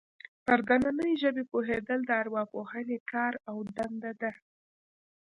پر دنننۍ ژبې پوهېدل د ارواپوهنې کار او دنده ده